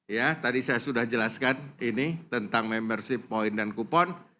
ya tadi saya sudah jelaskan ini tentang membership point dan kupon